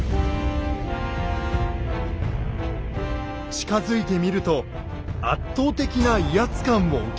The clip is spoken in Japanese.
近づいてみると圧倒的な威圧感も受けます。